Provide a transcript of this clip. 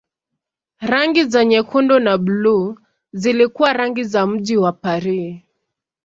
Rangi za nyekundu na buluu zilikuwa rangi za mji wa Paris.